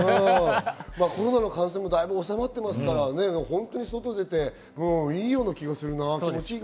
コロナの感染も収まっていますから外に出ていいような気がするな。